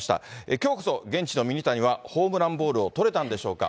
きょうこそ現地のミニタニはホームランボールを捕れたんでしょうか。